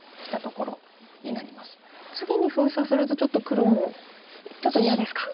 次に封鎖すると黒もちょっと嫌ですか。